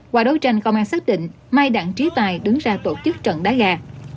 qua đấu tranh công an xác định mai đặng trí tài đứng ra tổ chức trận đá gà